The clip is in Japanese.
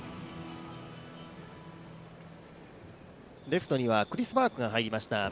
レフトにはクリス・バークが入りました。